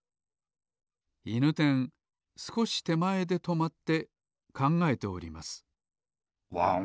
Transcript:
いぬてんすこしてまえでとまってかんがえておりますワン？